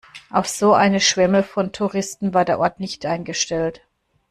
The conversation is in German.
Auf so eine Schwemme von Touristen war der Ort nicht eingestellt.